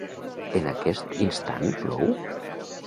En aquest instant plou?